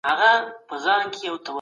د پيغمبر په اوله وحي کي زده کړه وه.